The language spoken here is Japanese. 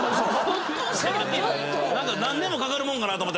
何年もかかるもんかなと。